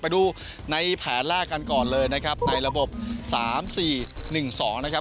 ไปดูในแผนแรกกันก่อนเลยนะครับในระบบ๓๔๑๒นะครับ